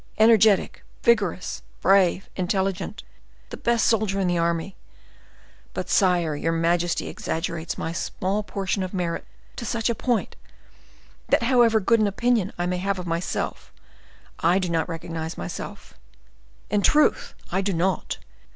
Energetic, vigorous, brave, intelligent, the best soldier in the army! But, sire, your majesty exaggerates my small portion of merit to such a point, that however good an opinion I may have of myself, I do not recognize myself; in truth I do not.